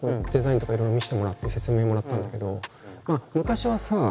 デザインとかいろいろ見せてもらって説明もらったんだけど昔はさ